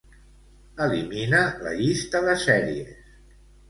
Elimina la llista de sèries.